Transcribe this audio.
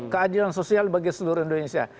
keadilan sosial bagi seluruh indonesia